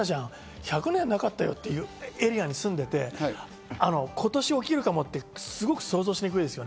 １００年なかったよっていうエリアに住んでいて今年起きるかもって、すごく想像しにくい。